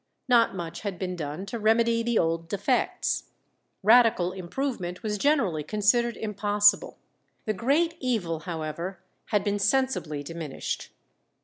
Not much had been done to remedy the old defects; radical improvement was generally considered impossible. The great evil, however, had been sensibly diminished.